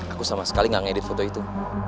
aku sama sekali gak ngedit foto itu